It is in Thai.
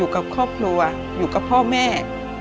กับครอบครัวอยู่กับพ่อแม่